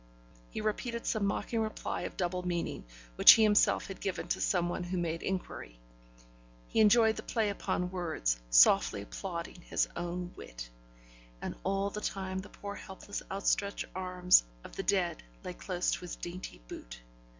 He repeated some mocking reply of double meaning, which he himself had given to some one who made inquiry. He enjoyed the play upon words, softly applauding his own wit. And all the time the poor helpless outstretched arms of the dead lay close to his dainty boot!